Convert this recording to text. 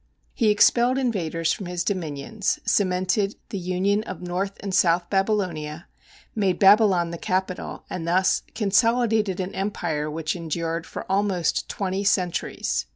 He expelled invaders from his dominions, cemented the union of north and south Babylonia, made Babylon the capital, and thus consolidated an empire which endured for almost twenty centuries.